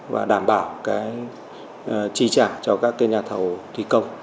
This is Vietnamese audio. và đảm bảo chi trả cho các nhà thầu thi công